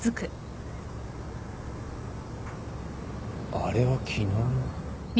あれは昨日の。